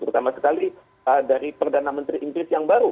terutama sekali dari perdana menteri inggris yang baru